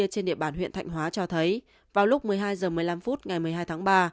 trên địa bàn huyện thạnh hóa cho thấy vào lúc một mươi hai h một mươi năm phút ngày một mươi hai tháng ba